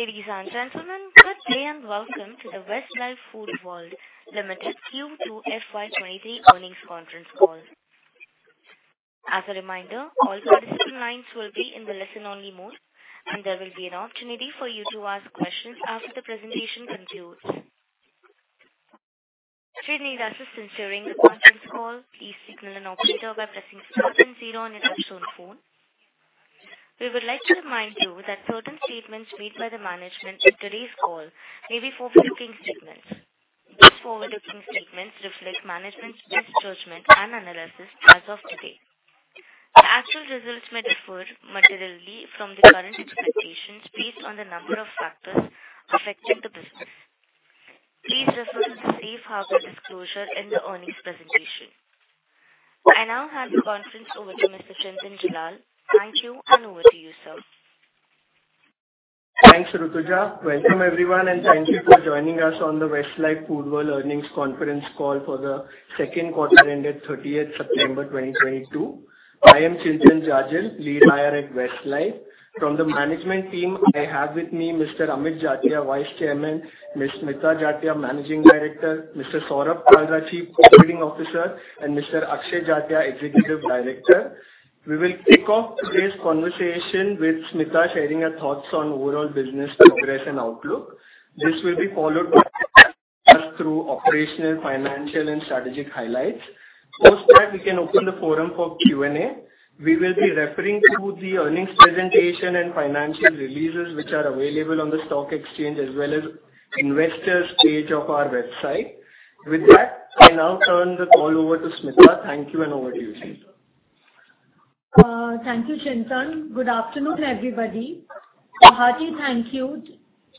Ladies and gentlemen, good day and welcome to the Westlife Foodworld Ltd Q2 FY23 earnings conference call. As a reminder, all participant lines will be in the listen-only mode, and there will be an opportunity for you to ask questions after the presentation concludes. If you need assistance during the conference call, please signal an operator by pressing star zero on your touch-tone phone. We would like to remind you that certain statements made by the management in today's call may be forward-looking statements. These forward-looking statements reflect management's best judgment and analysis as of today. Actual results may differ materially from the current expectations based on the number of factors affecting the business. Please refer to the safe harbor disclosure in the earnings presentation. I now hand the conference over to Mr. Chintan Jajal. Thank you, and over to you, sir. Thanks, Rutuja. Welcome everyone, and thank you for joining us on the Westlife Foodworld Earnings Conference Call for the second quarter ended 30th September 2022. I am Chintan Jajal, Lead IR at Westlife. From the management team, I have with me Mr. Amit Jatia, Vice Chairman, Ms. Smita Jatia, Managing Director, Mr. Saurabh Kalra, Chief Operating Officer, and Mr. Akshay Jatia, Executive Director. We will kick off today's conversation with Smita sharing her thoughts on overall business progress and outlook. This will be followed by us through operational, financial, and strategic highlights. Post that, we can open the forum for Q&A. We will be referring to the earnings presentation and financial releases, which are available on the stock exchange as well as investors page of our website. With that, I now turn the call over to Smita. Thank you, and over to you, Smita. Thank you, Chintan. Good afternoon, everybody. A hearty thank you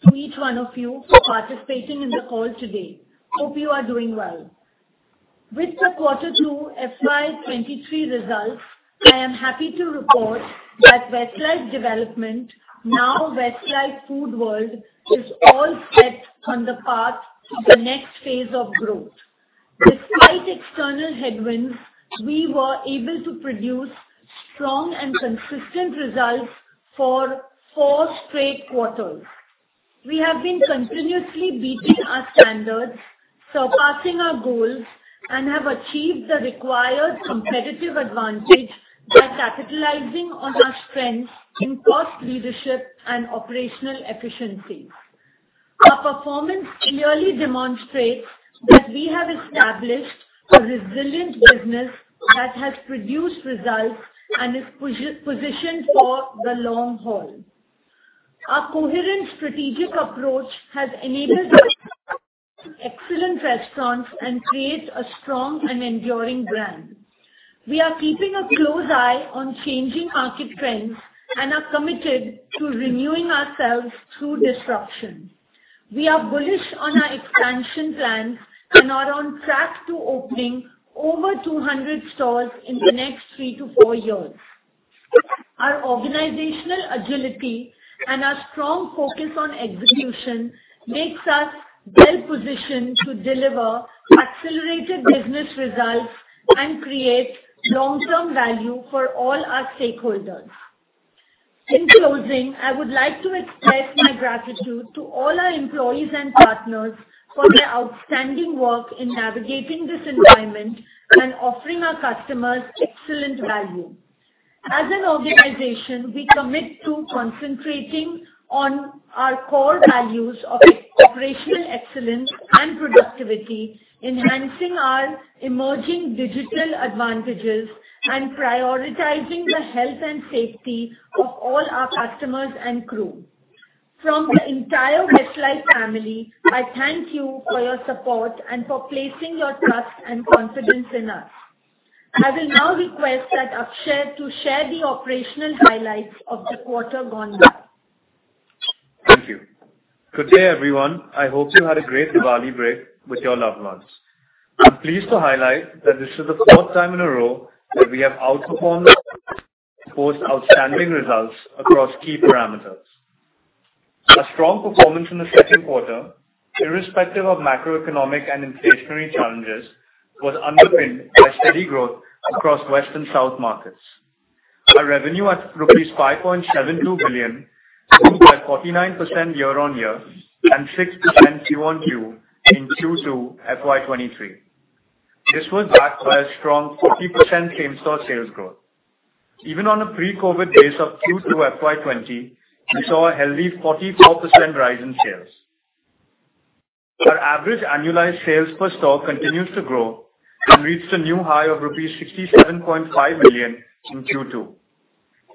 to each one of you for participating in the call today. Hope you are doing well. With the quarter two FY 2023 results, I am happy to report that Westlife Development, now Westlife Foodworld, is all set on the path to the next phase of growth. Despite external headwinds, we were able to produce strong and consistent results for four straight quarters. We have been continuously beating our standards, surpassing our goals, and have achieved the required competitive advantage by capitalizing on our strengths in cost leadership and operational efficiencies. Our performance clearly demonstrates that we have established a resilient business that has produced results and is positioned for the long haul. Our coherent strategic approach has enabled excellent restaurants and create a strong and enduring brand. We are keeping a close eye on changing market trends and are committed to renewing ourselves through disruption. We are bullish on our expansion plans and are on track to opening over 200 stores in the next three-four years. Our organizational agility and our strong focus on execution makes us well-positioned to deliver accelerated business results and create long-term value for all our stakeholders. In closing, I would like to express my gratitude to all our employees and partners for their outstanding work in navigating this environment and offering our customers excellent value. As an organization, we commit to concentrating on our core values of operational excellence and productivity, enhancing our emerging digital advantages, and prioritizing the health and safety of all our customers and crew. From the entire Westlife family, I thank you for your support and for placing your trust and confidence in us. I will now request Akshay to share the operational highlights of the quarter gone by. Thank you. Good day, everyone. I hope you had a great Diwali break with your loved ones. I'm pleased to highlight that this is the fourth time in a row that we have outperformed outstanding results across key parameters. A strong performance in the second quarter, irrespective of macroeconomic and inflationary challenges, was underpinned by steady growth across West and South markets. Our revenue at INR 5.72 billion, grew by 49% year-on-year and 6% Q-o-Q in Q2 FY 2023. This was backed by a strong 40% same-store sales growth. Even on a pre-COVID base of Q2 FY 2020, we saw a healthy 44% rise in sales. Our average annualized sales per store continues to grow and reached a new high of rupees 67.5 billion in Q2.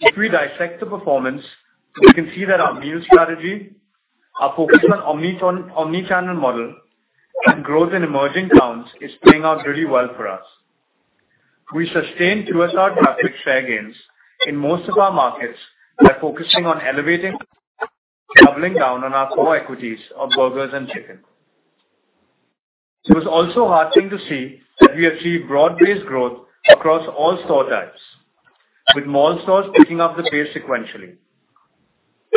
If we dissect the performance, we can see that our meal strategy, our focus on omni-channel model and growth in emerging towns is playing out really well for us. We sustained QSR traffic share gains in most of our markets by focusing on elevating, doubling down on our core equities of burgers and chicken. It was also heartening to see that we achieved broad-based growth across all store types, with mall stores picking up the pace sequentially.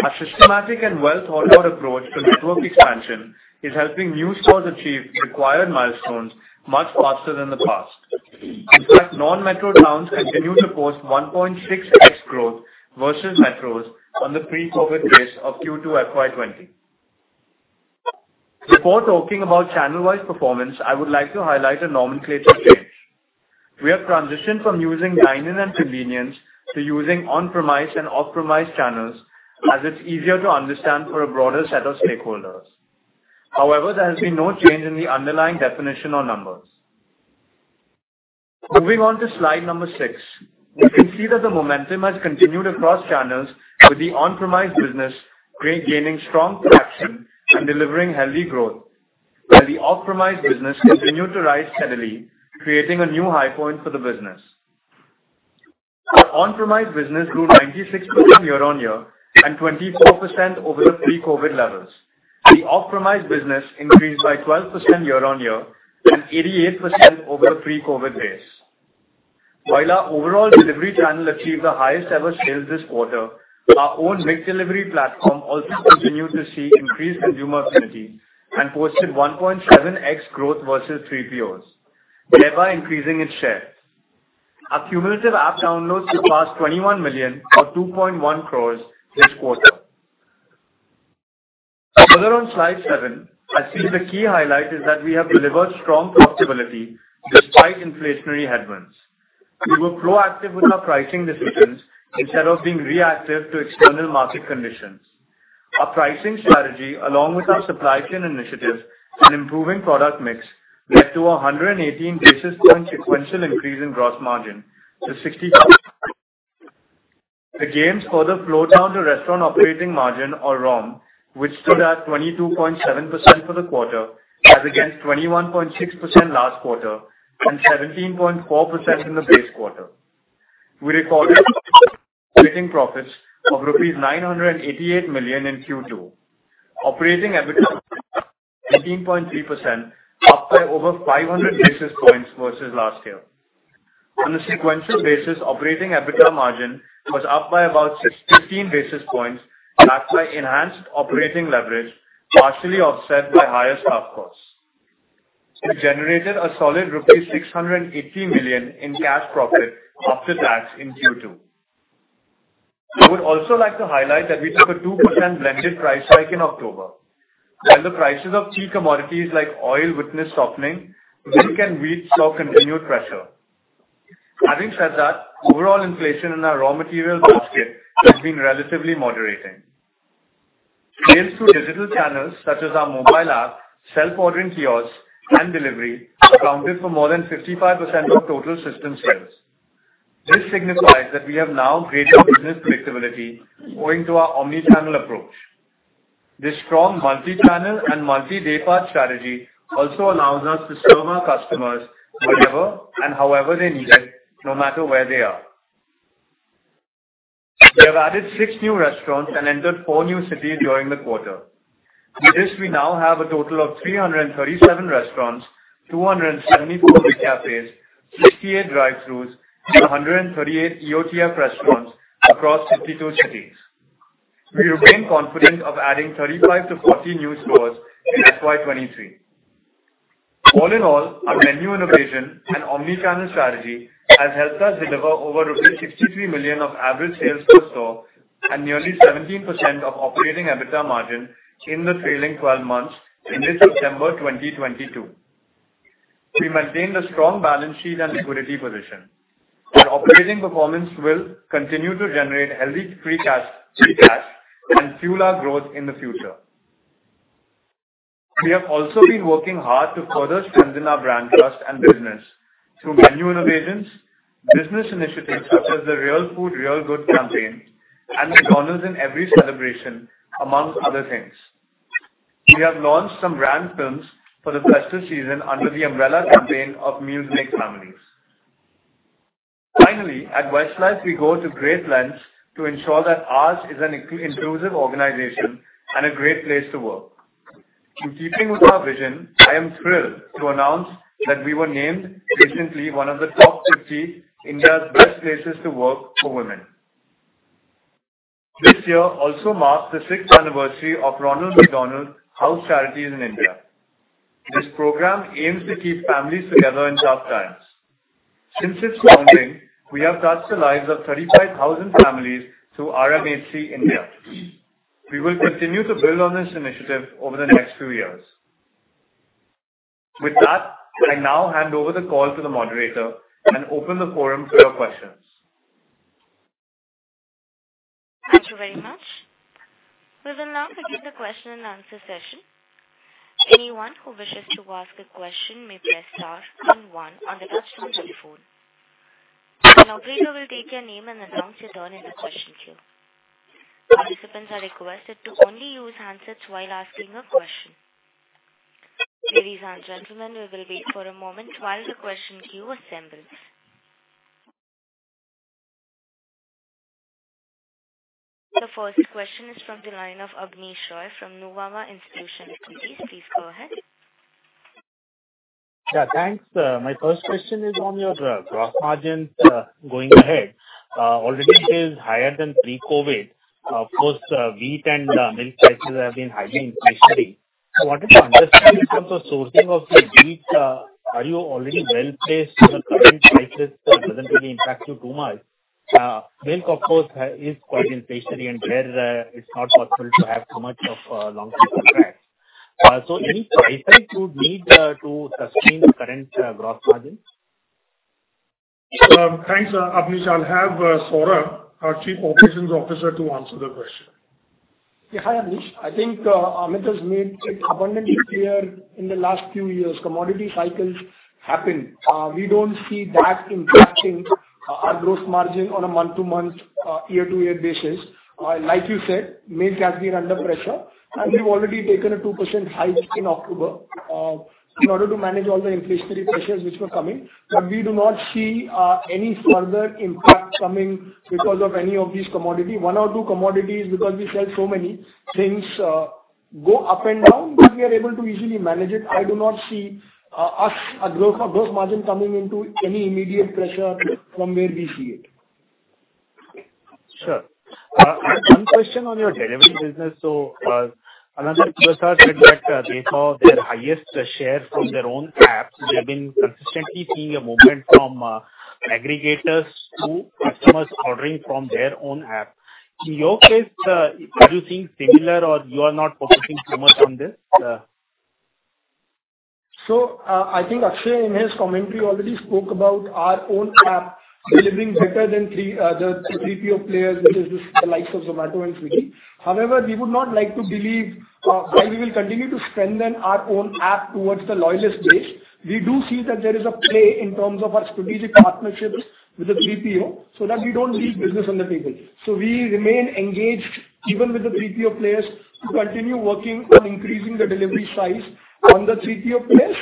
Our systematic and well-thought-out approach to network expansion is helping new stores achieve required milestones much faster than the past. In fact, non-metro towns continue to post 1.6x growth versus metros on the pre-COVID base of Q2 FY 2020. Before talking about channel-wise performance, I would like to highlight a nomenclature change. We have transitioned from using dine-in and convenience to using on-premise and off-premise channels, as it's easier to understand for a broader set of stakeholders. However, there has been no change in the underlying definition or numbers. Moving on to slide number six. We can see that the momentum has continued across channels with the on-premise business regaining strong traction and delivering healthy growth, while the off-premise business continued to rise steadily, creating a new high point for the business. Our on-premise business grew 96% year-on-year and 24% over the pre-COVID levels. The off-premise business increased by 12% year-on-year and 88% over the pre-COVID base. While our overall delivery channel achieved the highest ever sales this quarter, our own McDelivery platform also continued to see increased consumer affinity and posted 1.7x growth versus 3POs, thereby increasing its share. Our cumulative app downloads surpassed 21 million or 2.1 crores this quarter. Further on Slide 7, I see the key highlight is that we have delivered strong profitability despite inflationary headwinds. We were proactive with our pricing decisions instead of being reactive to external market conditions. Our pricing strategy, along with our supply chain initiatives and improving product mix, led to a 118 basis points sequential increase in gross margin to 60%. The gains further flow down to restaurant operating margin or ROM, which stood at 22.7% for the quarter as against 21.6% last quarter and 17.4% in the base quarter. We recorded operating profits of rupees 988 million in Q2. Operating EBITDA 18.3%, up by over 500 basis points versus last year. On a sequential basis, operating EBITDA margin was up by about 615 basis points, backed by enhanced operating leverage, partially offset by higher staff costs. We generated a solid rupees 680 million in cash profit after tax in Q2. I would also like to highlight that we took a 2% blended price hike in October. While the prices of key commodities like oil witnessed softening, wheat saw continued pressure. Having said that, overall inflation in our raw material basket has been relatively moderating. Sales through digital channels such as our mobile app, self-ordering kiosks and delivery accounted for more than 55% of total system sales. This signifies that we have now greater business predictability owing to our omni-channel approach. This strong multi-channel and multi-day part strategy also allows us to serve our customers whenever and however they need us, no matter where they are. We have added six new restaurants and entered four new cities during the quarter. With this, we now have a total of 337 restaurants, 274 McCafés, 68 Drive-Thrus and 138 EOTF restaurants across 62 cities. We remain confident of adding 35-40 new stores in FY 2023. All in all, our menu innovation and omni-channel strategy has helped us deliver over rupees 63 million of average sales per store and nearly 17% of operating EBITDA margin in the trailing 12 months ended September 2022. We maintained a strong balance sheet and liquidity position. Our operating performance will continue to generate healthy free cash and fuel our growth in the future. We have also been working hard to further strengthen our brand trust and business through menu innovations, business initiatives such as the Real Food, Real Good campaign, and McDonald's in Every Celebration, among other things. We have launched some brand films for the festival season under the umbrella campaign of Meals make Families. Finally, at Westlife, we go to great lengths to ensure that ours is an inclusive organization and a great place to work. In keeping with our vision, I am thrilled to announce that we were named recently one of the top 50 India's Best Workplaces for Women. This year also marks the sixth anniversary of Ronald McDonald House Charities in India. This program aims to keep families together in tough times. Since its founding, we have touched the lives of 35,000 families through RMHC India. We will continue to build on this initiative over the next few years. With that, I now hand over the call to the moderator and open the forum for your questions. Thank you very much. We will now begin the question-and-answer session. Anyone who wishes to ask a question may press star then one on the touch-tone telephone. An operator will take your name and announce your turn in the question queue. Participants are requested to only use handsets while asking a question. Ladies and gentlemen, we will wait for a moment while the question queue assembles. The first question is from the line of Abneesh Roy from Nuvama Institutional Equities. Please go ahead. Yeah, thanks. My first question is on your gross margin going ahead. Already it is higher than pre-COVID. Of course, wheat and milk prices have been highly inflationary. I wanted to understand in terms of sourcing of the beef, are you already well placed in the current crisis that doesn't really impact you too much? Milk of course is quite inflationary, and where it's not possible to have too much of long-term contracts. Any price hike you need to sustain the current growth margins? Thanks, Abneesh. I'll have Saurabh Kalra, our Chief Operating Officer, to answer the question. Yeah, hi, Abneesh. I think Amit has made it abundantly clear in the last few years commodity cycles happen. We don't see that impacting our gross margin on a month-to-month, year-to-year basis. Like you said, milk has been under pressure, and we've already taken a 2% hike in October in order to manage all the inflationary pressures which were coming. We do not see any further impact coming because of any of these commodities. One or two commodities, because we sell so many things, go up and down, but we are able to easily manage it. I do not see our gross margin coming into any immediate pressure from where we see it. Sure. I have one question on your delivery business. Another QSR said that they saw their highest share from their own app. They've been consistently seeing a movement from aggregators to customers ordering from their own app. In your case, are you seeing similar or you are not focusing too much on this? I think Akshay, in his commentary, already spoke about our own app delivering better than the 3PO players, which is the likes of Zomato and Swiggy. However, we would not like to believe, while we will continue to strengthen our own app towards the loyalist base, we do see that there is a play in terms of our strategic partnerships with the 3PO, so that we don't leave business on the table. We remain engaged, even with the 3PO players, to continue working on increasing the delivery size on the 3PO players.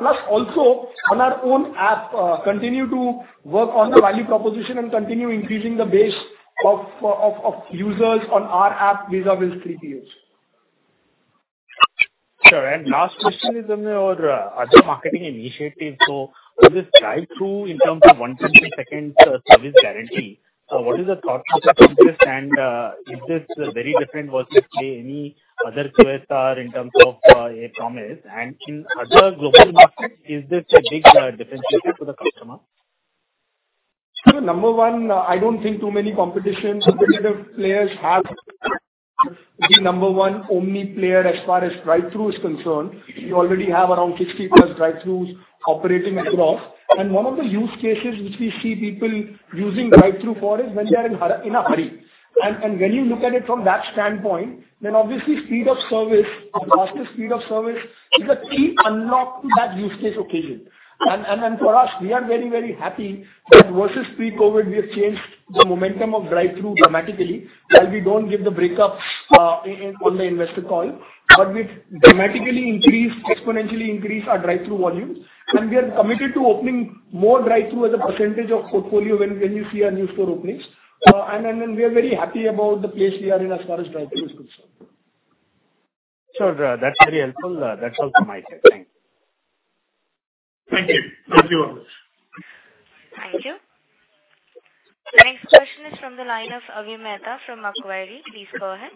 Plus also on our own app, continue to work on the value proposition and continue increasing the base of users on our app vis-a-vis 3POs. Sure. Last question is on your other marketing initiatives. With this Drive-Thru in terms of 120-second service guarantee, what is the thought process on this, and is this very different versus, say, any other QSR in terms of a promise? In other global markets, is this a big differentiator for the customer? Number one, I don't think too many competitors, competitive players have the number one omnichannel player as far as Drive-Thru is concerned. We already have around 60+ Drive-Thrus operating across. One of the use cases which we see people using Drive-Thru for is when they are in a hurry. For us, we are very, very happy that versus pre-COVID, we have changed the momentum of Drive-Thru dramatically. While we don't give the breakups on the investor call, but we've dramatically increased, exponentially increased our Drive-Thru volumes. We are committed to opening more Drive-Thru as a percentage of portfolio when you see our new store openings. We are very happy about the place we are in as far as drive through is concerned. Sure. That's very helpful. That's all from my side. Thank you. Thank you. Thank you, Abneesh. Thank you. The next question is from the line of Avi Mehta from Macquarie. Please go ahead.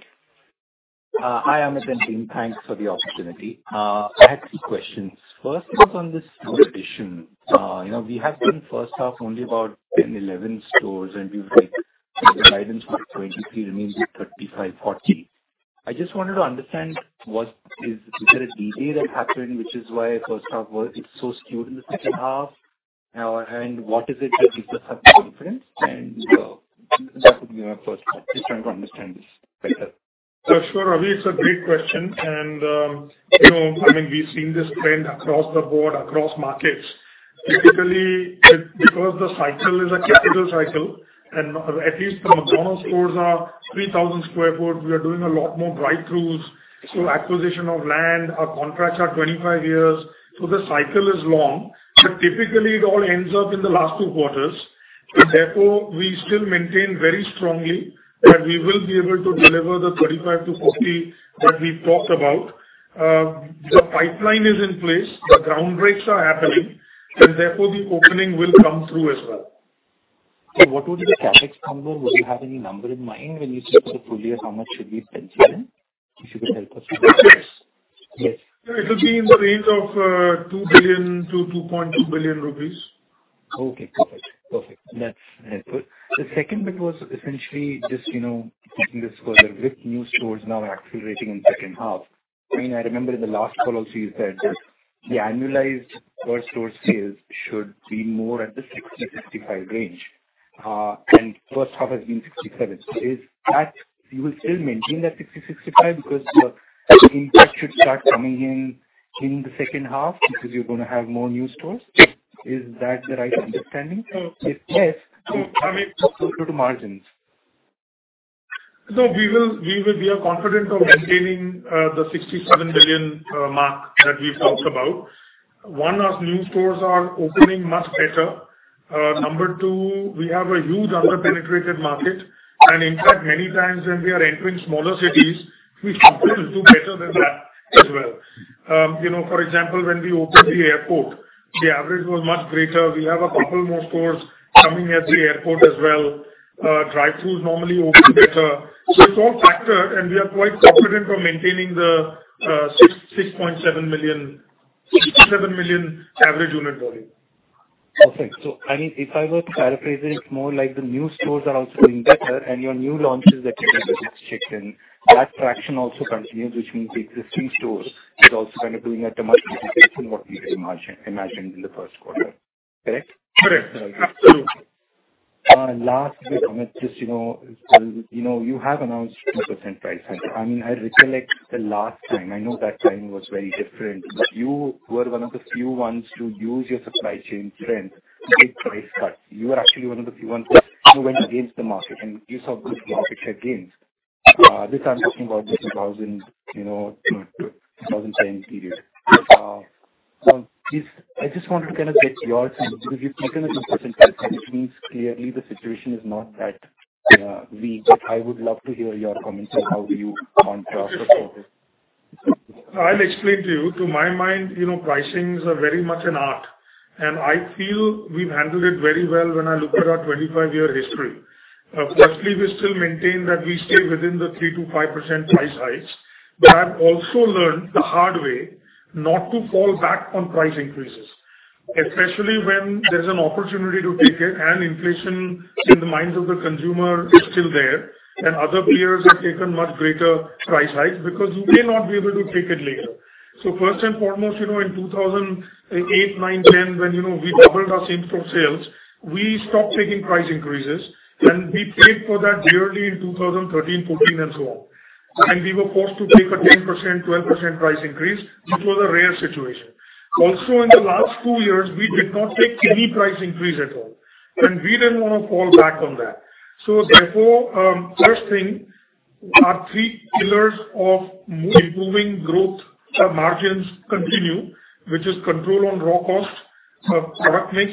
Hi, Amit and team. Thanks for the opportunity. I had two questions. First was on the store addition. You know, we have done first half only about 10, 11 stores, and you've said your guidance for 2023 remains at 35, 40. I just wanted to understand what is there a delay that happened, which is why first half was so skewed in the second half? What is it that gives us that confidence? That would be my first point. Just trying to understand this better. Sure, Avi. It's a great question. You know, I mean, we've seen this trend across the board, across markets. Typically, it, because the cycle is a capital cycle, and at least the McDonald's stores are 3,000 sq ft, we are doing a lot more Drive-Thrus. Acquisition of land, our contracts are 25 years, so the cycle is long. Typically it all ends up in the last two quarters. Therefore, we still maintain very strongly that we will be able to deliver the 35-40 that we talked about. The pipeline is in place, the ground breaks are happening, and therefore the opening will come through as well. What would the CapEx come down? Would you have any number in mind when you think of the full year, how much should we be penciling, if you could help us with that? CapEx? Yes. It will be in the range of 2 billion-2.2 billion rupees. Okay, perfect. That's an input. The second bit was essentially just, you know, taking this further. With new stores now accelerating in second half, I mean, I remember in the last call also you said that the annualized per store sales should be more at the 60-65 range. And first half has been 67. Is that, you will still maintain that 60-65 because your impact should start coming in during the second half because you're gonna have more new stores. Is that the right understanding? So- If yes, how will this filter to margins? We are confident of maintaining the 67 million mark that we've talked about. One, our new stores are opening much better. Number two, we have a huge under-penetrated market. In fact, many times when we are entering smaller cities, we sometimes do better than that as well. You know, for example, when we opened the airport. The average was much greater. We have a couple more stores coming at the airport as well. Drive-Thrus normally open better. It's all factored, and we are quite confident of maintaining the 67 million average unit volume. Perfect. I mean, if I were to paraphrase it's more like the new stores are also doing better and your new launches that you have just checked in, that traction also continues, which means the existing stores is also kind of doing at a much better pace than what we imagined in the first quarter. Correct? Correct. Last bit, Amit, just, you know, you have announced 2% price hike. I mean, I recollect the last time, I know that time was very different, but you were one of the few ones to use your supply chain strength to make price hike. You were actually one of the few ones that, you know, went against the market, and you saw good profits and gains. This I'm talking about the 2010 period. I just wanted to kinda get your take, because you've taken a 2% price hike, which means clearly the situation is not that weak, but I would love to hear your comments on how you want to approach this? I'll explain to you. To my mind, you know, pricings are very much an art, and I feel we've handled it very well when I look at our 25-year history. Firstly, we still maintain that we stay within the 3%-5% price hikes, but I've also learned the hard way not to fall back on price increases, especially when there's an opportunity to take it and inflation in the minds of the consumer is still there and other peers have taken much greater price hikes, because you may not be able to take it later. First and foremost, you know, in 2008, 2009, 2010, when, you know, we doubled our same-store sales, we stopped taking price hikes, and we paid for that dearly in 2013, 2014 and so on. We were forced to take a 10%, 12% price increase, which was a rare situation. Also, in the last two years, we did not take any price increase at all, and we didn't wanna fall back on that. Therefore, first thing, our three pillars of improving growth, margins continue, which is control on raw costs, product mix,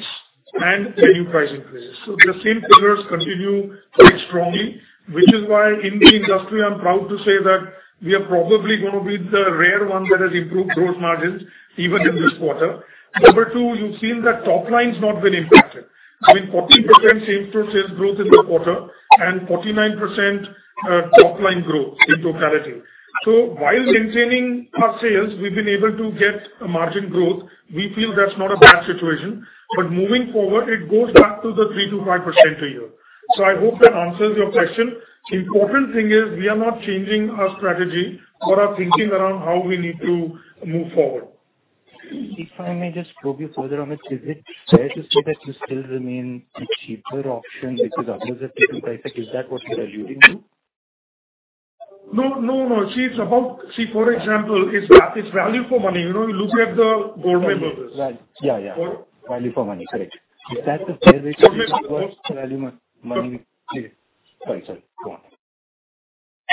and the new price increases. The same pillars continue quite strongly, which is why in the industry, I'm proud to say that we are probably gonna be the rare one that has improved growth margins even in this quarter. Number two, you've seen that top line's not been impacted. I mean, 40% same-store sales growth in the quarter and 49%, top-line growth in totality. While maintaining our sales, we've been able to get a margin growth. We feel that's not a bad situation. Moving forward, it goes back to the 3%-5% a year. I hope that answers your question. The important thing is we are not changing our strategy or our thinking around how we need to move forward. If I may just probe you further, Amit, is it fair to say that you still remain the cheaper option because others have taken price hike? Is that what you're alluding to? No, no. See, for example, it's value for money. You know, you look at the gourmet burgers. Yeah, yeah. Value for money. Correct. Is that the fair way to look at it, value for money? Sorry. Go on.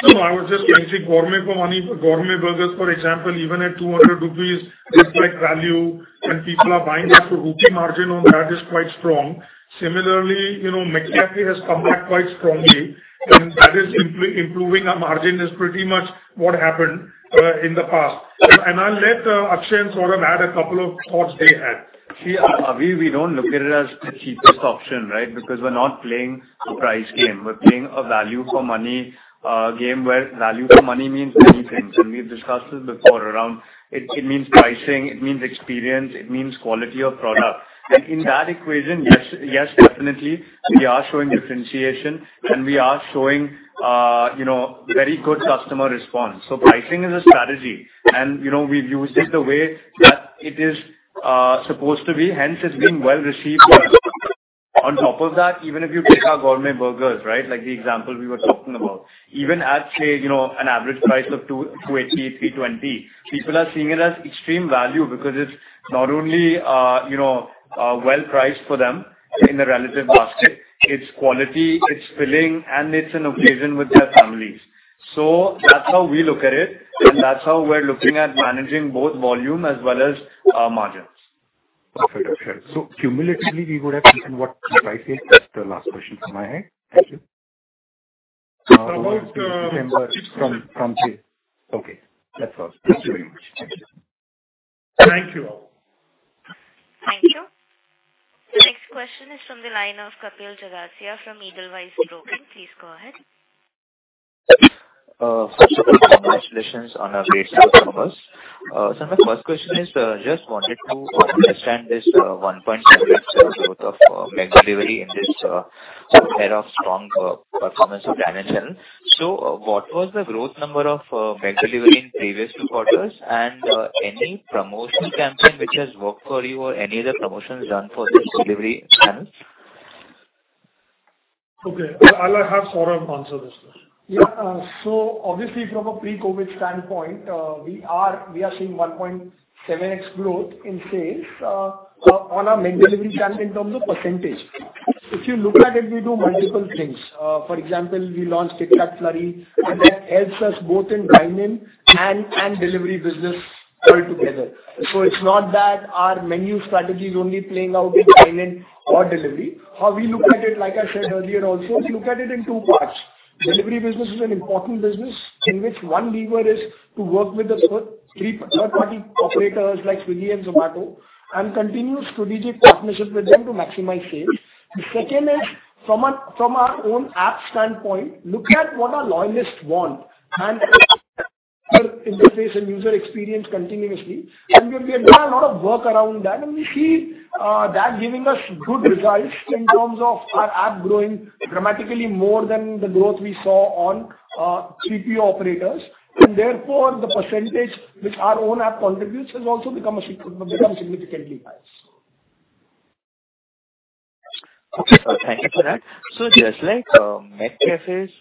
No, I was just saying, see value for money, gourmet burgers, for example, even at 200 rupees is quite value and people are buying that. So ROIC margin on that is quite strong. Similarly, you know, McCafé has come back quite strongly and that is improving our margin is pretty much what happened in the past. I'll let Akshay and Saurabh add a couple of thoughts they have. See, we don't look at it as the cheapest option, right? Because we're not playing a price game. We're playing a value for money game, where value for money means many things, and we've discussed this before around it. It means pricing, it means experience, it means quality of product. In that equation, yes, definitely, we are showing differentiation and we are showing, you know, very good customer response. Pricing is a strategy and, you know, we've used it the way that it is supposed to be, hence it's been well received by customers. On top of that, even if you take our gourmet burgers, right, like the example we were talking about, even at, say, you know, an average price of 280-320, people are seeing it as extreme value because it's not only, you know, well priced for them in the relative basket, it's quality, it's filling, and it's an occasion with their families. That's how we look at it, and that's how we're looking at managing both volume as well as margins. Perfect. Cumulatively, we would have taken what price hike? That's the last question from my end. Thank you. About, uh- From sale. Okay, that's all. Thank you very much. Thank you. Thank you all. Thank you. Next question is from the line of Kapil Jagasia from Edelweiss Broking. Please go ahead. First of all, congratulations on a great set of numbers. My first question is, just wanted to understand this 1.7x growth of McDelivery in this period of strong performance of dine-in channel. What was the growth number of McDelivery in previous two quarters, and any promotion campaign which has worked for you or any other promotions done for this delivery channels? Okay. I'll have Saurabh answer this question. Yeah. So obviously from a pre-COVID standpoint, we are seeing 1.7x growth in sales on our McDelivery channel in terms of percentage. If you look at it, we do multiple things. For example, we launched KitKat McFlurry, and that helps us both in dine-in and delivery business altogether. It's not that our menu strategy is only playing out in dine-in or delivery. How we look at it, like I said earlier also, is look at it in two parts. Delivery business is an important business in which one lever is to work with the third party operators like Swiggy and Zomato and continue strategic partnerships with them to maximize sales. The second is from our own app standpoint, look at what our loyalists want and interface and user experience continuously. We have done a lot of work around that, and we see that giving us good results in terms of our app growing dramatically more than the growth we saw on 3PO operators. Therefore, the percentage which our own app contributes has also become significantly high. Okay. Thank you for that. Just like McCafé's,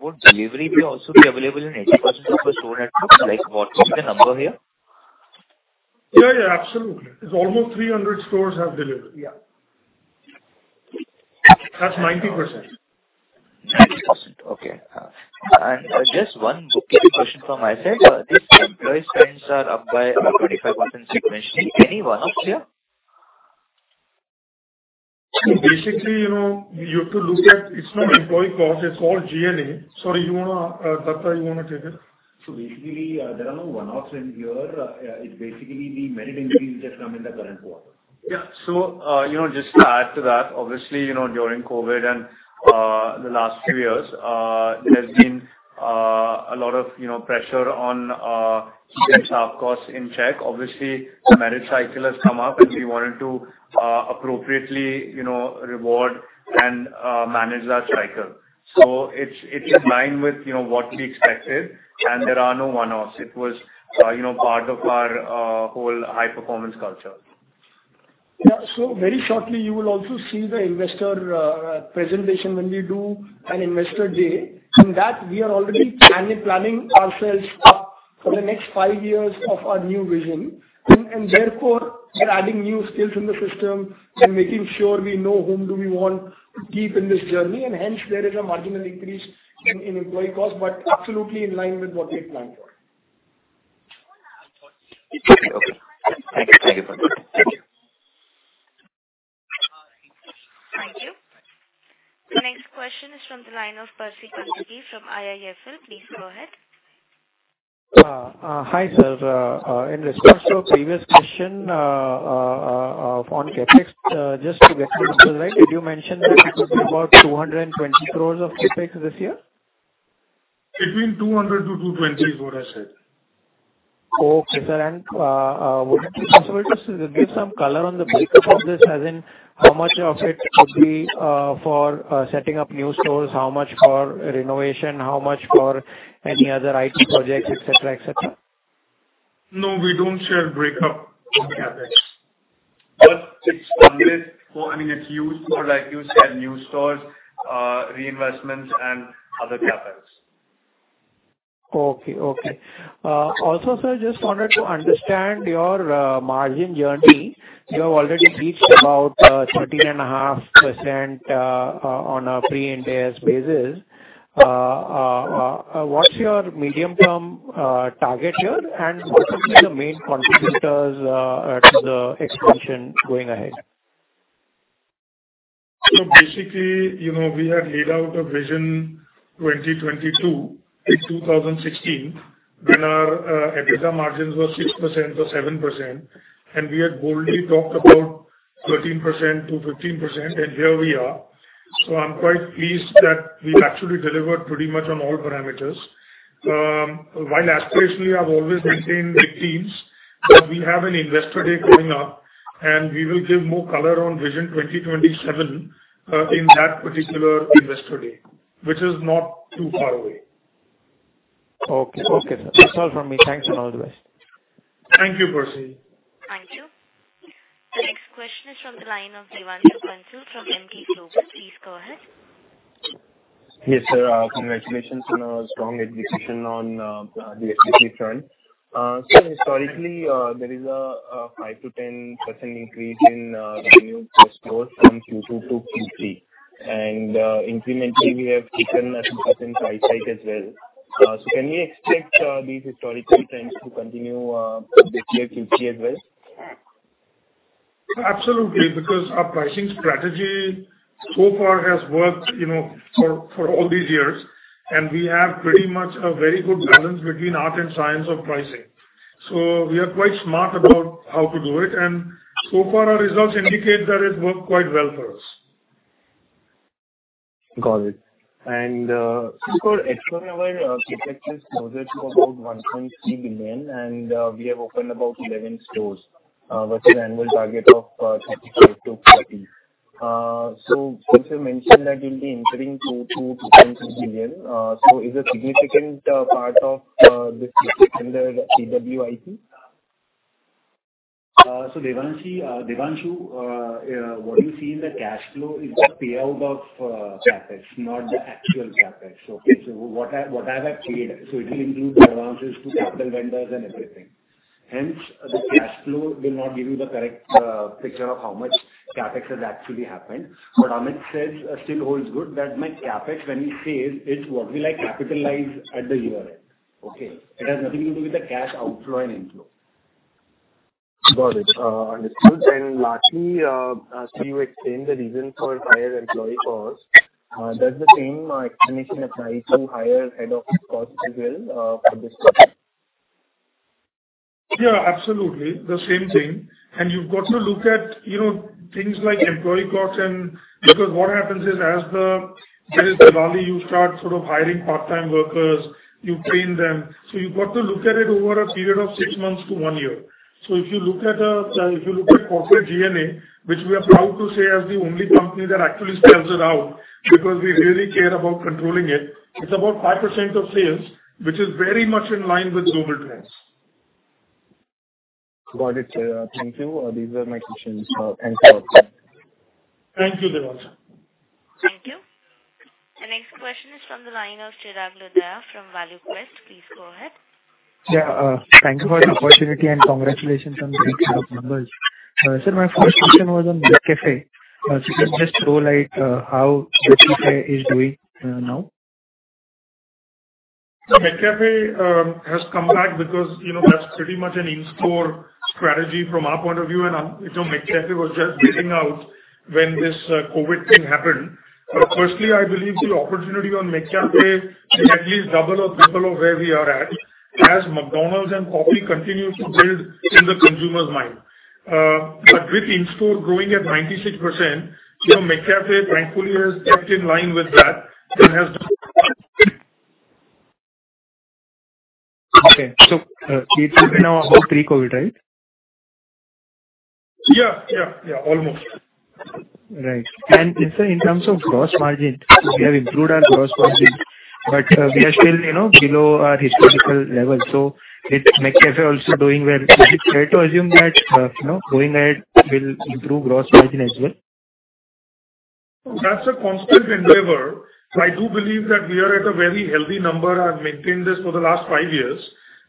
would McDelivery also be available in 80% of the store network? Like, what is the number here? Yeah, yeah, absolutely. Almost 300 stores have delivery. Yeah. That's 90%. 90%. Okay. Just one bookkeeping question from my side. This employee spends are up by 25% sequentially. Any one-offs here? Basically, you know, you have to look at it's not employee cost, it's all G&A. Sorry, you wanna, Saurabh, you wanna take it? Basically, there are no one-offs in here. It's basically the merit increases come in the current quarter. Yeah, you know, just to add to that, obviously, you know, during COVID and the last few years, there's been a lot of, you know, pressure on keeping our costs in check. Obviously, the merit cycle has come up, and we wanted to appropriately, you know, reward and manage that cycle. It's in line with, you know, what we expected, and there are no one-offs. It was, you know, part of our whole high performance culture. Yeah. Very shortly, you will also see the investor presentation when we do an Investor Day. In that, we are already planning ourselves up for the next five years of our new vision, and therefore we're adding new skills in the system and making sure we know whom do we want to keep in this journey. Hence there is a marginal increase in employee costs, but absolutely in line with what we had planned for. Okay. Thank you. Thank you for that. Thank you. Thank you. The next question is from the line of Percy Panthaki from IIFL. Please go ahead. Hi, sir. In response to a previous question on CapEx, just to get this right, did you mention that it would be about 220 crore of CapEx this year? Between 200 to 220 is what I said. Okay, sir. Would it be possible to give some color on the breakup of this? As in how much of it could be for setting up new stores, how much for renovation, how much for any other IT projects, et cetera, et cetera? No, we don't share breakup on CapEx. I mean, it's used for, like you said, new stores, reinvestments, and other CapEx. Okay, also, sir, just wanted to understand your margin journey. You have already reached about 13.5% on a pre-interest basis. What's your medium-term target here, and what could be the main contributors to the expansion going ahead? Basically, you know, we had laid out a vision 2022 in 2016 when our EBITDA margins were 6% or 7%, and we had boldly talked about 13%-15%, and here we are. I'm quite pleased that we've actually delivered pretty much on all parameters. While aspirationally I've always maintained 18%, but we have an Investor Day coming up and we will give more color on vision 2027 in that particular Investor Day, which is not too far away. Okay, sir. That's all from me. Thanks and all the best. Thank you, Percy. Thank you. The next question is from the line of Devanshu Bansal from Emkay Global. Please go ahead. Yes, sir. Congratulations on a strong execution on the AUV front. Historically, there is a 5%-10% increase in revenue per store from Q2 to Q3, and incrementally we have taken 1% on the high side as well. Can we expect these historical trends to continue this year Q3 as well? Absolutely, because our pricing strategy so far has worked, you know, for all these years, and we have pretty much a very good balance between art and science of pricing. We are quite smart about how to do it, and so far our results indicate that it worked quite well for us. Got it. For FY, our CapEx is closer to about 1.3 billion, and we have opened about 11 stores with an annual target of 35-40. Since you mentioned that you'll be entering 2 billion-2.2 billion, so is a significant part of this CapEx in the CWIP? Devanshu, what you see in the cash flow is the payout of CapEx, not the actual CapEx. Okay. What I have achieved, so it will include the advances to capital vendors and everything. Hence, the cash flow will not give you the correct picture of how much CapEx has actually happened. What Amit says still holds good. That my CapEx, when he says it's what we like capitalize at the year end. Okay. It has nothing to do with the cash outflow and inflow. Got it. Understood. Lastly, as you explained the reason for higher employee costs, does the same explanation apply to higher head office costs as well, for this quarter? Yeah, absolutely. The same thing. You've got to look at, you know, things like employee costs, because what happens is as the business grows, you start sort of hiring part-time workers, you train them. You've got to look at it over a period of six months to one year. If you look at corporate G&A, which we are proud to say as the only company that actually spells it out, because we really care about controlling it's about 5% of sales, which is very much in line with global trends. Got it. Thank you. These are my questions. Thanks for your time. Thank you, Devanshu. Thank you. The next question is from the line of Chirag Lodaya from ValueQuest. Please go ahead. Yeah. Thank you for the opportunity, and congratulations on the set of numbers. Sir, my first question was on McCafé. Can you just throw light on how McCafé is doing now? McCafé has come back because, you know, that's pretty much an in-store strategy from our point of view. You know, McCafé was just getting out when this COVID thing happened. Firstly, I believe the opportunity on McCafé is at least double or triple of where we are at, as McDonald's and coffee continues to build in the consumer's mind. With in-store growing at 96%, you know, McCafé thankfully has kept in line with that and has done Okay. It's been now about pre-COVID, right? Yeah. Almost. Right. Sir, in terms of gross margin, we have improved our gross margin, but, we are still, you know, below our historical levels. With McCafé also doing well, is it fair to assume that, you know, going ahead will improve gross margin as well? That's a constant endeavor. I do believe that we are at a very healthy number. I've maintained this for the last five years,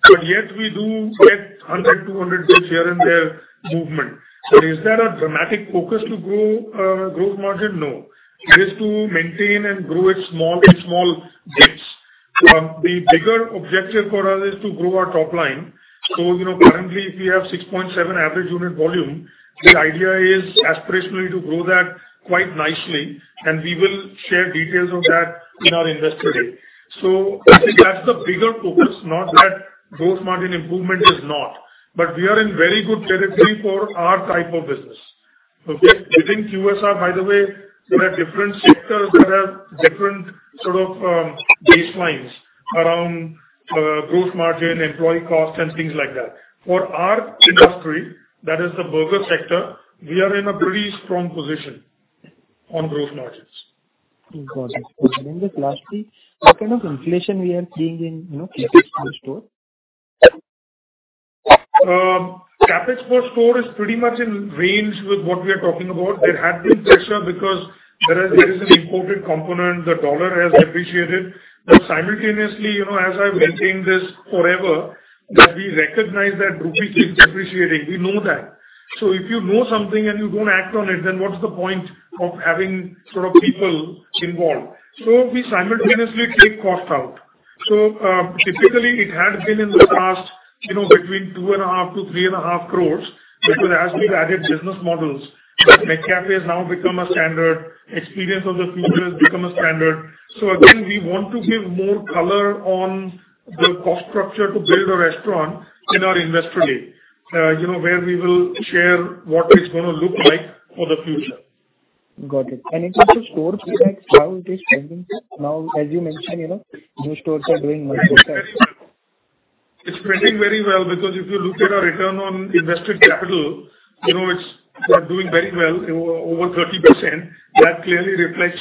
but yet we do get 100-200 basis points here and there movement. Is that a dramatic focus to grow gross margin? No. It is to maintain and grow at small bits. The bigger objective for us is to grow our top line. You know, currently we have 6.7 average unit volume. The idea is aspirationally to grow that quite nicely, and we will share details of that in our Investor Day. I think that's the bigger focus, not that gross margin improvement is not. But we are in very good territory for our type of business. Okay. Within QSR, by the way, there are different sectors that have different sort of baselines around growth margin, employee costs and things like that. For our industry, that is the burger sector, we are in a pretty strong position on growth margins. Got it. Just lastly, what kind of inflation we are seeing in, you know, CapEx per store? CapEx per store is pretty much in range with what we are talking about. There had been pressure because there is an imported component. The dollar has appreciated. Simultaneously, you know, as I've maintained this forever, that we recognize that rupee keeps depreciating. We know that. If you know something and you don't act on it, then what's the point of having sort of people involved? We simultaneously take cost out. Typically it had been in the past, you know, between 2.5 crore-3.5 crore. As we've added business models, McCafé has now become a standard. Experience of the Future has become a standard. Again, we want to give more color on the cost structure to build a restaurant in our Investor Day, you know, where we will share what it's gonna look like for the future. Got it. In terms of store mix, how it is trending now? As you mentioned, you know, new stores are doing much better. It's trending very well because if you look at our return on invested capital, you know, it's, we're doing very well over 30%. That clearly reflects,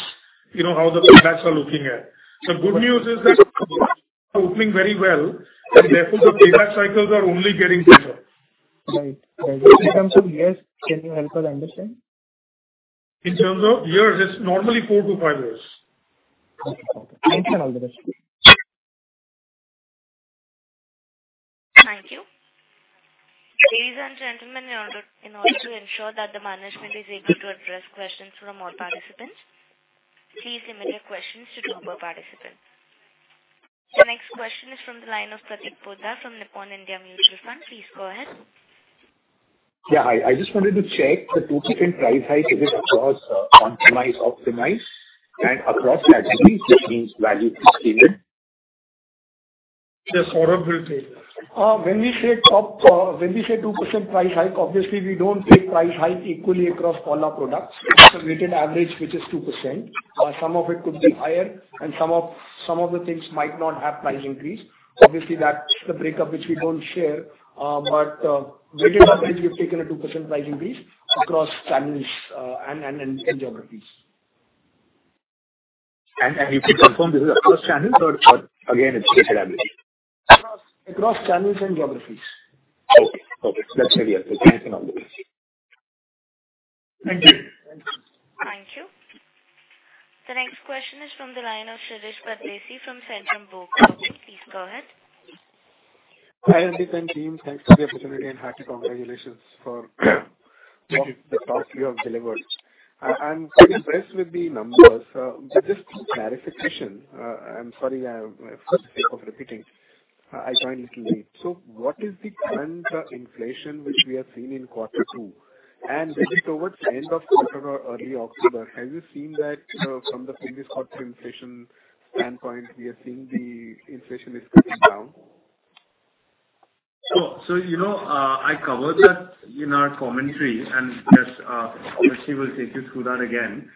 you know, how the paybacks are looking like. The good news is that stores are opening very well and therefore the payback cycles are only getting better. Right. In terms of years, can you help us understand? In terms of years, it's normally four to five years. Okay. Okay. Thanks, and all the best. Thank you. Ladies and gentlemen, in order to ensure that the management is able to address questions from all participants, please limit your questions to two per participant. The next question is from the line of Prateek Poddar from Nippon India Mutual Fund. Please go ahead. Yeah. I just wanted to check the 2%-3% price hike, is it across optimize and across channels, which means value to premium? Sure. Saurabh will take. When we say 2% price hike, obviously we don't take price hike equally across all our products. It's a weighted average, which is 2%. Some of it could be higher and some of the things might not have price increase. Obviously, that's the breakup which we don't share. But weighted average, we've taken a 2% price increase across channels and geographies. You could confirm this is across channels or again, it's weighted average? Across channels and geographies. Okay. That's clear. Thank you. Thank you. Thank you. The next question is from the line of Shirish Pardeshi from Centrum Broking. Please go ahead. Hi, Amit Jatia and team. Thanks for the opportunity and hearty congratulations for the talk you have delivered. I'm pretty impressed with the numbers. Just clarification, I'm sorry, I have a habit of repeating. I joined a little late. What is the current inflation which we are seeing in quarter two? And that is towards the end of October or early October. Have you seen that, from the previous quarter inflation standpoint, we are seeing the inflation is coming down? You know, I covered that in our commentary, and yes, Akshay will take you through that again.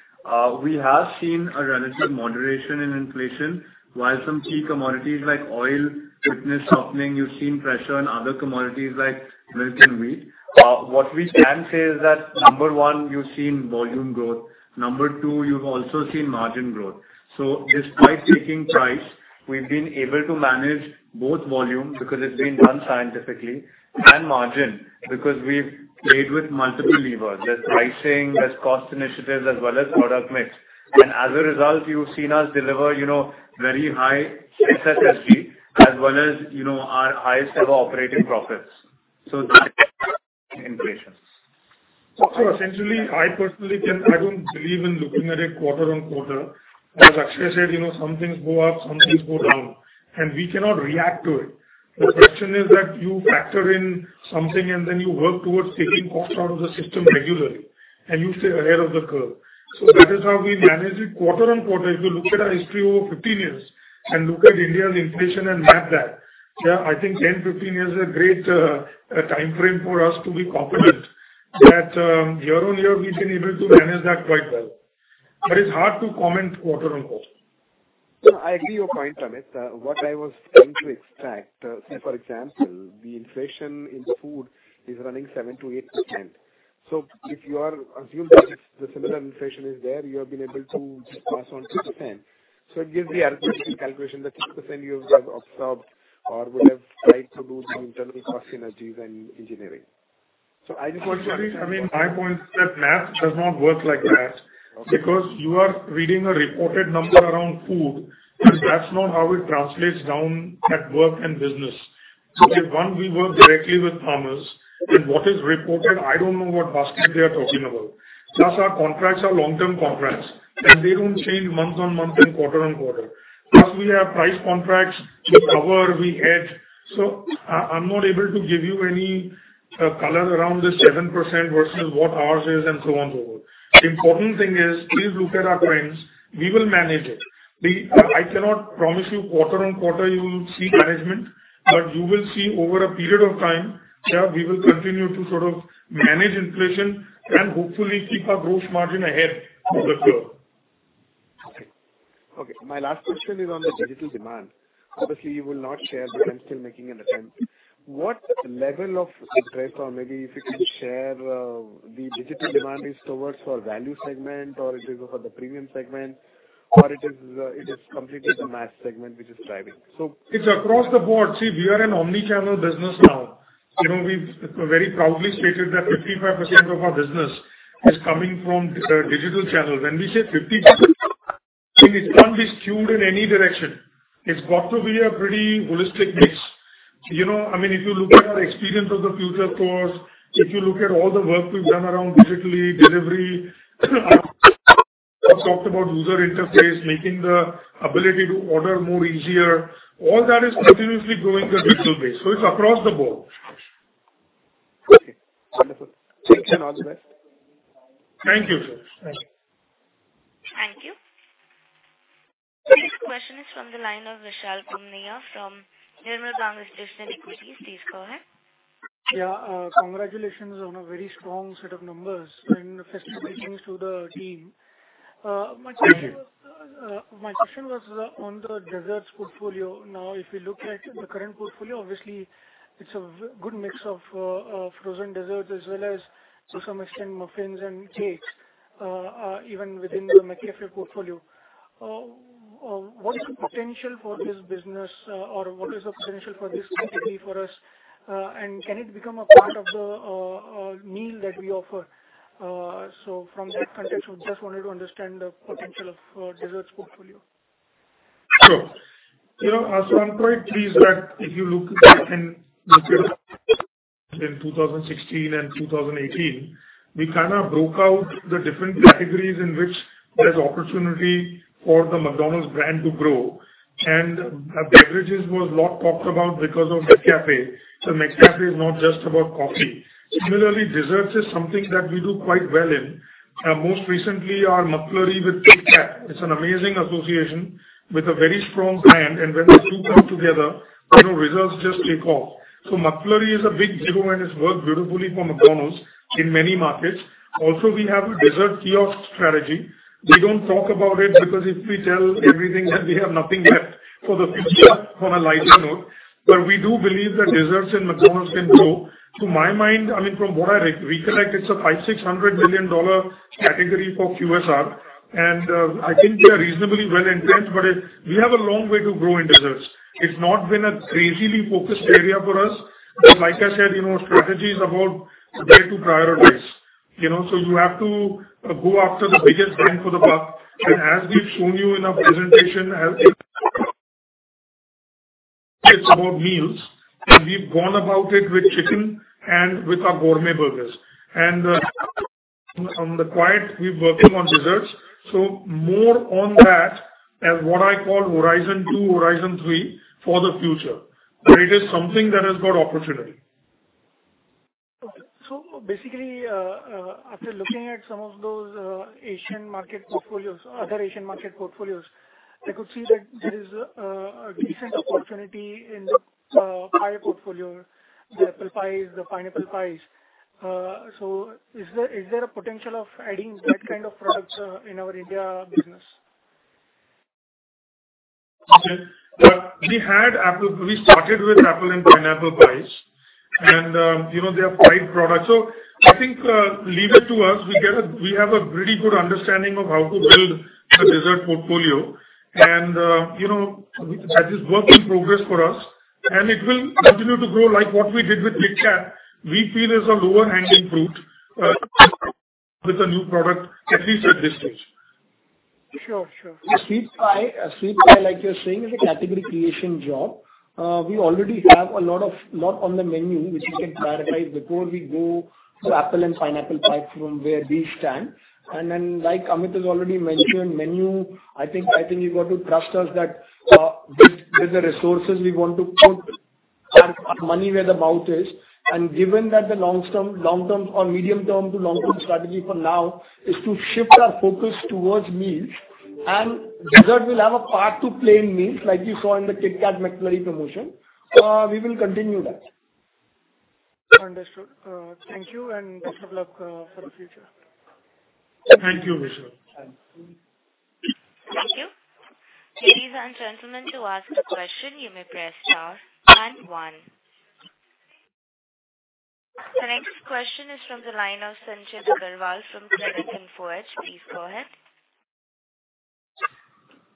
We have seen a relative moderation in inflation. While some key commodities like oil, fats is softening, you've seen pressure on other commodities like milk and wheat. What we can say is that, number one, you've seen volume growth. Number two, you've also seen margin growth. Despite taking price, we've been able to manage both volume, because it's been done scientifically, and margin, because we've played with multiple levers. There's pricing, there's cost initiatives, as well as product mix. As a result, you've seen us deliver, you know, very high SSG as well as, you know, our highest ever operating profits. That's inflation. Essentially, I personally don't believe in looking at it quarter-over-quarter. As Akshay said, you know, some things go up, some things go down, and we cannot react to it. The question is that you factor in something and then you work towards taking costs out of the system regularly, and you stay ahead of the curve. That is how we manage it quarter-over-quarter. If you look at our history over 15 years and look at India's inflation and map that, yeah, I think 10, 15 years is a great timeframe for us to be confident that year-over-year we've been able to manage that quite well. It's hard to comment quarter-over-quarter. No, I agree with your point, Amit. What I was trying to extract, say for example, the inflation in food is running 7%-8%. If you are assuming that the similar inflation is there, you have been able to just pass on 6%. It gives the arithmetic calculation that 6% you have observed or would have tried to do some internal cost synergies and engineering. I just wanted to understand that. I mean, my point is that math does not work like that because you are reading a reported number around food, and that's not how it translates down at work and business. If one, we work directly with farmers and what is reported, I don't know what basket they are talking about. Plus our contracts are long-term contracts, and they don't change month-on-month and quarter-on-quarter. Plus we have price contracts, we cover, we hedge. I'm not able to give you any color around this 7% versus what ours is and so on and so forth. Important thing is, please look at our trends. We will manage it. I cannot promise you quarter-on-quarter you will see management, but you will see over a period of time that we will continue to sort of manage inflation and hopefully keep our gross margin ahead of the curve. Okay, my last question is on the digital demand. Obviously, you will not share, but I'm still making an attempt. What level of interest, or maybe if you can share, the digital demand is towards for value segment or it is for the premium segment or it is completely the mass segment which is driving? It's across the board. See, we are an omni-channel business now. You know, we've very proudly stated that 55% of our business is coming from digital channels. When we say 50%, it can't be skewed in any direction. It's got to be a pretty holistic mix. You know, I mean, if you look at our Experience of the Future stores, if you look at all the work we've done around digital delivery, I've talked about user interface, making the ability to order more easier. All that is continuously growing the digital base. It's across the board. Okay. Wonderful. Thanks a lot, guys. Thank you, sir. Thank you. Thank you. Next question is from the line of Vishal Punmiya from Nirmal Bang Institutional Equities. Please go ahead. Yeah. Congratulations on a very strong set of numbers and felicitations to the team. My question was. Thank you. My question was on the desserts portfolio. Now, if you look at the current portfolio, obviously it's a good mix of frozen desserts as well as to some extent muffins and cakes, even within the McCafé portfolio. What is the potential for this business? Or what is the potential for this category for us? Can it become a part of the meal that we offer? From that context, I just wanted to understand the potential of desserts portfolio. Sure. You know, I'm quite pleased that if you look back in the period between 2016 and 2018, we kind of broke out the different categories in which there's opportunity for the McDonald's brand to grow. Beverages was not talked about because of McCafé. McCafé is not just about coffee. Similarly, desserts is something that we do quite well in. Most recently our McFlurry with KitKat. It's an amazing association with a very strong brand. When the two come together, you know, results just take off. McFlurry is a big winner and it's worked beautifully for McDonald's in many markets. Also, we have a dessert kiosk strategy. We don't talk about it because if we tell everything then we have nothing left for the future on a lighter note. We do believe that desserts in McDonald's can grow. To my mind, I mean, from what I recollect, it's a $500 million-$600 million category for QSR, and I think we are reasonably well-entrenched, but we have a long way to grow in desserts. It's not been a crazily focused area for us. Like I said, you know, strategy is about where to prioritize, you know. You have to go after the biggest bang for the buck. As we've shown you in our presentation, about meals, and we've gone about it with chicken and with our gourmet burgers. On the quiet we're working on desserts, so more on that as what I call horizon two, horizon three for the future. It is something that has got opportunity. Okay. Basically, after looking at some of those Asian market portfolios, I could see that there is a decent opportunity in the pie portfolio, the apple pies, the pineapple pies. Is there a potential of adding that kind of products in our India business? We started with apple and pineapple pies and, you know, they are pie products. So I think it leads us, we have a pretty good understanding of how to build a dessert portfolio. You know, that is work in progress for us and it will continue to grow like what we did with McCafé. We feel it's a lower hanging fruit with a new product, at least at this stage. Sure. Sure. A sweet pie, like you're saying, is a category creation job. We already have a lot of notes on the menu, which we can clarify before we go to apple and pineapple pie from where we stand. Then, like Amit has already mentioned, menu, I think you've got to trust us that with the resources we want to put our money where the mouth is. Given that the long-term or medium-term to long-term strategy for now is to shift our focus towards meals, and dessert will have a part to play in meals, like you saw in the KitKat McFlurry promotion. We will continue that. Understood. Thank you and best of luck for the future. Thank you, Vishal. Thanks. Thank you. Ladies and gentlemen, to ask a question, you may press star and one. The next question is from the line of Sanchit Agarwal from Kredent Infoedge. Please go ahead.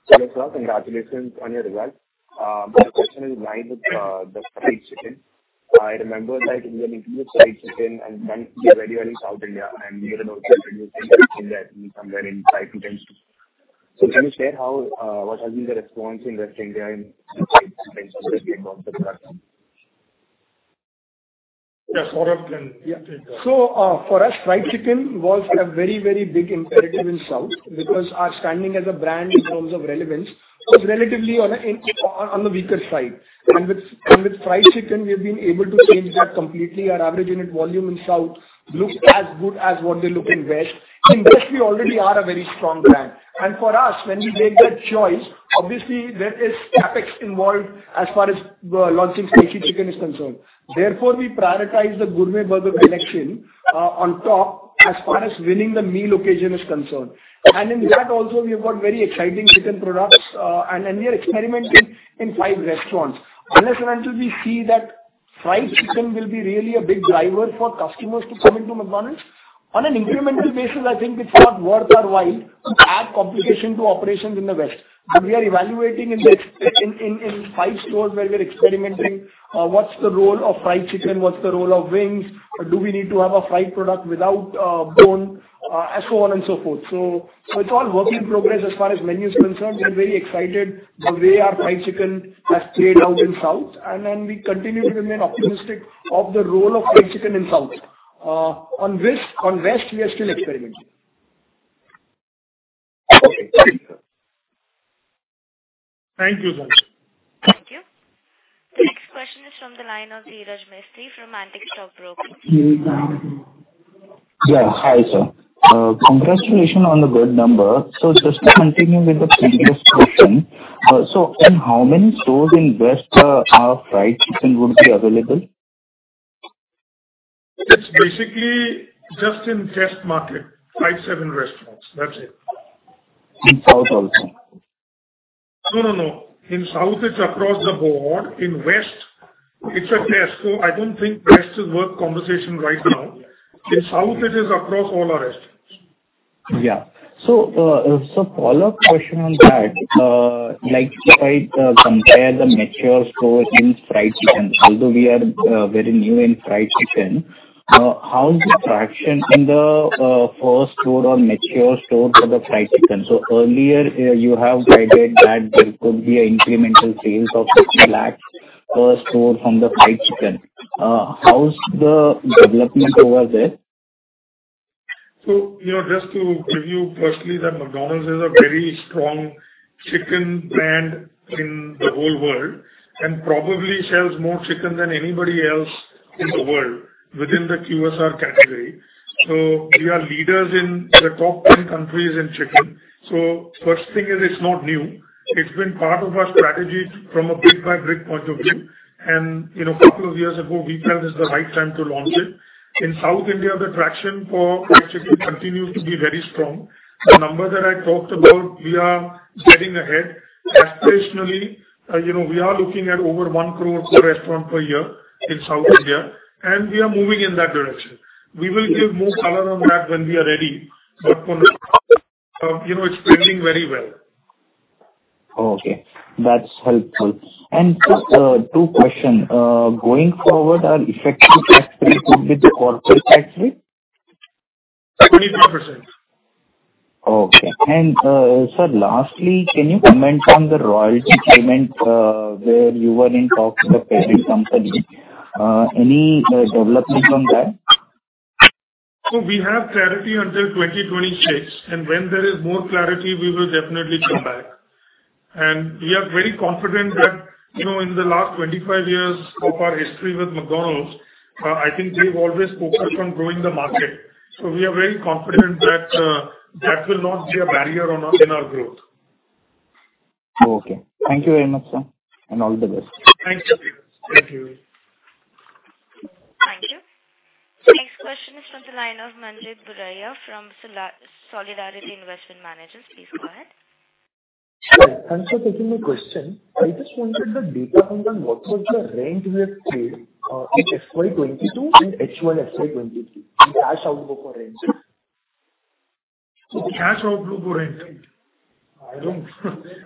Hello, sir. Congratulations on your results. My question is in line with the fried chicken. I remember like when we did fried chicken and then very early in South India and we had also introduced in West India in somewhere in five locations. Can you share how what has been the response in West India in terms of the product? Yeah. Saurabh can take that. For us, fried chicken was a very, very big imperative in South because our standing as a brand in terms of relevance was relatively on the weaker side. With fried chicken, we've been able to change that completely. Our average unit volume in South looks as good as what it looks like in West. In West we already are a very strong brand. For us, when we make that choice, obviously there is CapEx involved as far as launching spicy chicken is concerned. Therefore, we prioritize the gourmet burger collection on top as far as winning the meal occasion is concerned. In that also we've got very exciting chicken products, and we are experimenting in five restaurants. Unless and until we see that fried chicken will be really a big driver for customers to come into McDonald's, on an incremental basis I think it's not worth our while to add complication to operations in the West. We are evaluating in five stores where we are experimenting, what's the role of fried chicken, what's the role of wings, do we need to have a fried product without bone, and so on and so forth. It's all work in progress as far as menu is concerned. We're very excited the way our fried chicken has played out in South and then we continue to remain optimistic of the role of fried chicken in South. On West we are still experimenting. Okay. Thank you, sir. Thank you, Sanchit. Thank you. The next question is from the line of Dhiraj Mistry from Antique Stock Broking. Yeah. Hi, sir. Congratulations on the good number. Just to continue with the previous question. In how many stores in West our fried chicken would be available? It's basically just in test market, five to seven restaurants. That's it. In South also. No, no. In South it's across the board. In West it's a test. I don't think West is worth conversation right now. In South it is across all our restaurants. Yeah, follow-up question on that. Like if I compare the mature store in fried chicken, although we are very new in fried chicken, how is the traction in the first store or mature store for the fried chicken? Earlier, you have guided that there could be an incremental sales of INR 50 lakhs per store from the fried chicken. How's the development over there? You know, just to give you firstly that McDonald's is a very strong chicken brand in the whole world and probably sells more chicken than anybody else in the world within the QSR category. We are leaders in the top ten countries in chicken. First thing is it's not new. It's been part of our strategy from a brick by brick point of view. You know, couple of years ago we felt it's the right time to launch it. In South India, the traction for fried chicken continues to be very strong. The number that I talked about, we are getting ahead. Aspirationally, you know, we are looking at over 1 crore per restaurant per year in South India, and we are moving in that direction. We will give more color on that when we are ready. For now, you know, it's doing very well. Okay. That's helpful. Just two questions. Going forward, our effective tax rate would be the corporate tax rate? 23%. Okay. Sir, lastly, can you comment on the royalty payment, where you were in talks with a credit company? Any development on that? We have clarity until 2026, and when there is more clarity, we will definitely come back. We are very confident that, you know, in the last 25 years of our history with McDonald's, I think we've always focused on growing the market. We are very confident that that will not be a barrier on us in our growth. Okay. Thank you very much, sir, and all the best. Thanks, Dhiraj Mistry. Thank you. Thank you. Next question is from the line of Manjeet Buaria from Solidarity Investment Managers. Please go ahead. Hi. Thanks for taking my question. I just wanted the data, what was your rent you had paid in FY 2022 and FY 2023, the cash outflow for rent? The cash outflow or rent.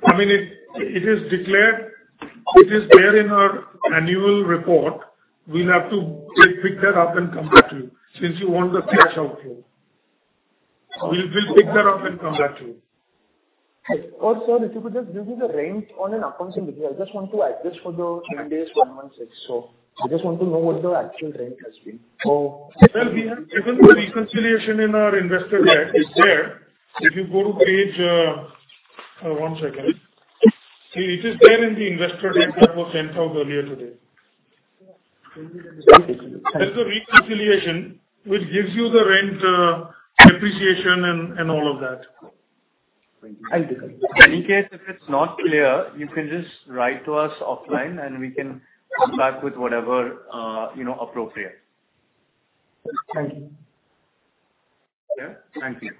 I mean, it is declared. It is there in our annual report. We'll have to pick that up and come back to you since you want the cash outflow. We will pick that up and come back to you. Sir, if you could just give me the rent on an accounting basis. I just want to adjust for the Ind AS 116. I just want to know what the actual rent has been? Well, we have given the reconciliation in our investor deck, it's there. If you go to page, see, it is there in the investor deck that was sent out earlier today. Thank you. There's a reconciliation which gives you the rent, depreciation and all of that. Thank you. In case if it's not clear, you can just write to us offline and we can come back with whatever, you know, appropriate. Thank you. Yeah. Thank you.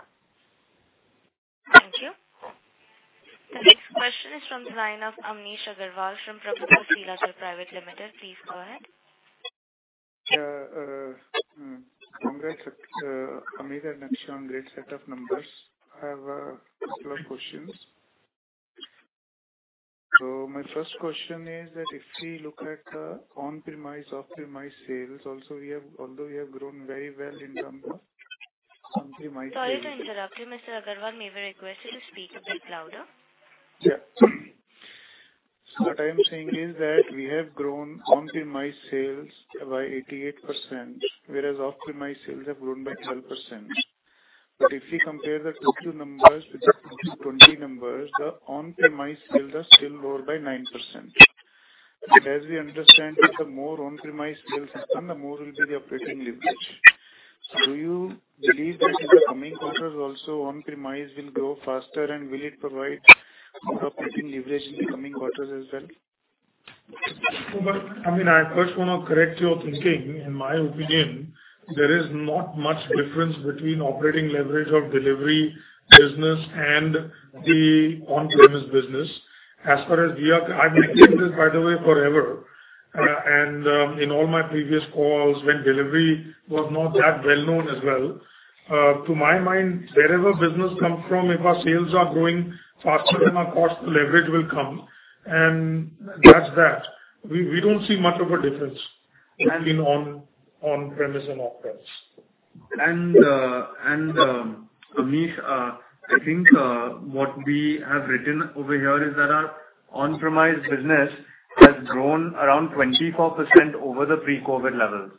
Thank you. The next question is from the line of Amnish Aggarwal from Prabhudas Lilladher Private Ltd. Please go ahead. Congrats, Amnish and Akshay Jatia, on great set of numbers. I have a couple of questions. My first question is that if we look at on-premise, off-premise sales, although we have grown very well in terms of on-premise sales- Sorry to interrupt you, Mr. Agarwal. May we request you to speak a bit louder? Yeah. What I am saying is that we have grown on-premise sales by 88%, whereas off-premise sales have grown by 12%. If we compare the Q2 numbers with the Q2 2020 numbers, the on-premise sales are still lower by 9%. As we understand it, the more on-premise sales you have, the more will be the operating leverage. Do you believe that in the coming quarters also on-premise will grow faster and will it provide more operating leverage in the coming quarters as well? I mean, I first wanna correct your thinking. In my opinion, there is not much difference between operating leverage of delivery business and the on-premise business. I've maintained this by the way forever, in all my previous calls when delivery was not that well-known as well. To my mind, wherever business come from, if our sales are growing faster than our cost, the leverage will come and that's that. We don't see much of a difference between on-premise and off-premise. Amnish, I think what we have written over here is that our on-premise business has grown around 24% over the pre-COVID levels.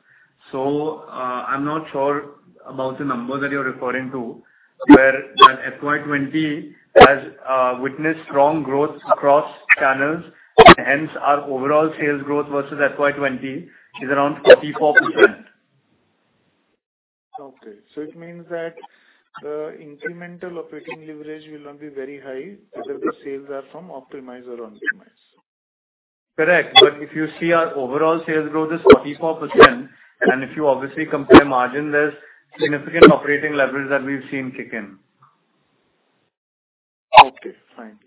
I'm not sure about the number that you're referring to, where that FY 2020 has witnessed strong growth across channels and hence our overall sales growth versus FY 2020 is around 44%. Okay. It means that the incremental operating leverage will not be very high whether the sales are from off-premise or on-premise. Correct. If you see our overall sales growth is 44%, and if you obviously compare margin, there's significant operating leverage that we've seen kick in. Okay, fine.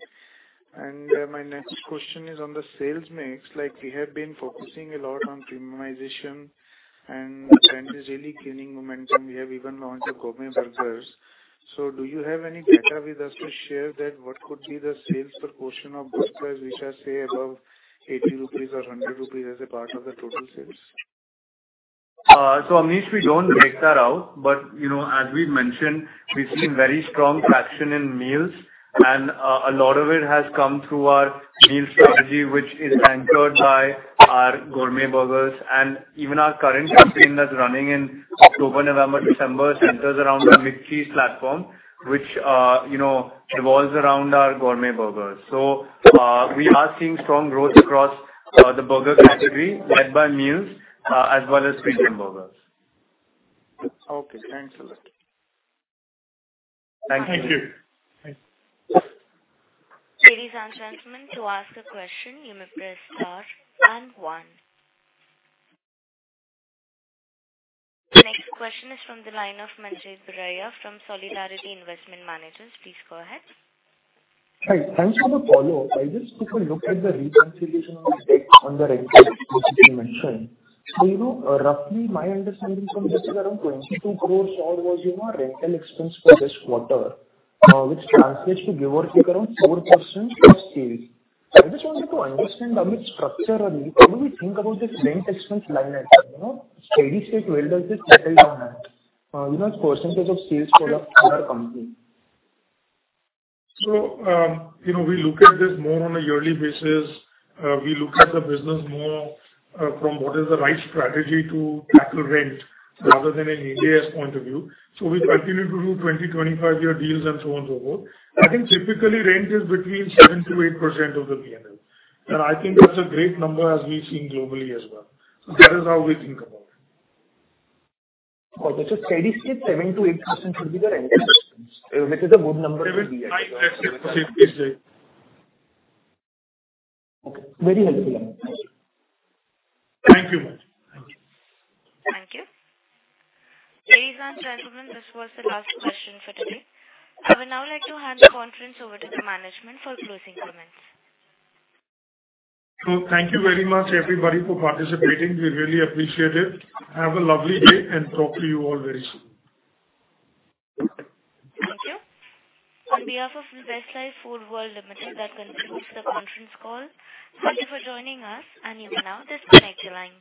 My next question is on the sales mix. Like, we have been focusing a lot on premiumization and trend is really gaining momentum. We have even launched the gourmet burgers. Do you have any data with us to share that what could be the sales per portion of book price which are, say, above 80 rupees or 100 rupees as a part of the total sales? Amnish, we don't break that out, but, you know, as we mentioned, we've seen very strong traction in meals and a lot of it has come through our meal strategy, which is anchored by our gourmet burgers. Even our current campaign that's running in October, November, December centers around our McCheese platform which, you know, revolves around our gourmet burgers. We are seeing strong growth across the burger category led by meals as well as premium burgers. Okay, thanks a lot. Thank you. Thank you. Thanks. Ladies and gentlemen, to ask a question you may press star and one. The next question is from the line of Manjeet Buaria from Solidarity Investment Managers. Please go ahead. Hi. Thanks for the follow-up. I just took a look at the reconciliation on the rent that you mentioned. You know, roughly my understanding from this is around 22 crore was your rental expense for this quarter, which translates to give or take around 4% of sales. I just wanted to understand, I mean, structurally, how do we think about this rent expense line item, you know? Steady state, where does this settle down at, you know, as percentage of sales for the entire company? You know, we look at this more on a yearly basis. We look at the business more from what is the right strategy to tackle rent rather than an Ind AS point of view. We continue to do 20-25-year deals and so on, so forth. I think typically rent is between 7%-8% of the P&L. I think that's a great number as we've seen globally as well. That is how we think about it. Got it. Steady state, 7%-8% should be the rent expense, which is a good number to be at. Okay. Very helpful. Thank you. Thank you, Manjeet. Thank you. Ladies and gentlemen, this was the last question for today. I would now like to hand the conference over to the management for closing comments. Thank you very much everybody for participating. We really appreciate it. Have a lovely day and talk to you all very soon. Thank you. On behalf of Westlife Foodworld Ltd, that concludes the conference call. Thank you for joining us, and you may now disconnect your lines.